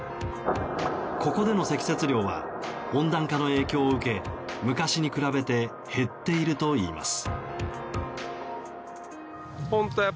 ここでの積雪量は温暖化の影響を受け昔に比べて減っているといいます。